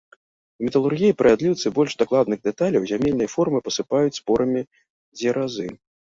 У металургіі пры адліўцы больш дакладных дэталей зямельныя формы пасыпаюць спорамі дзеразы.